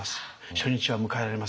初日は迎えられません」。